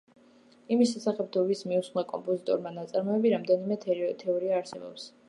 იმის შესახებ, თუ ვის მიუძღვნა კომპოზიტორმა ნაწარმოები, რამდენიმე თეორია არსებობს.